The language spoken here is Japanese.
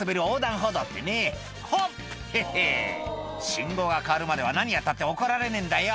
「ほっヘッヘ信号が変わるまでは何やったって怒られねえんだよ」